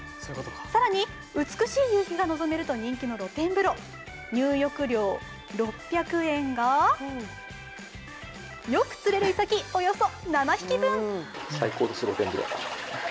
更に、美しい夕日が望めると人気の露天風呂入浴料６００円がよく釣れるイサキおよそ７匹分。